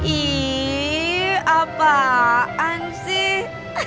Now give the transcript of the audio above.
ih apaan sih